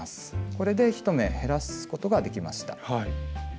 これで１目減らすことができました。